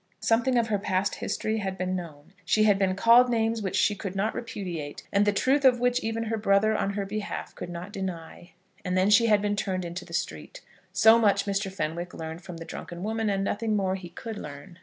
Something of her past history had been known. She had been called names which she could not repudiate, and the truth of which even her brother on her behalf could not deny; and then she had been turned into the street. So much Mr. Fenwick learned from the drunken woman, and nothing more he could learn.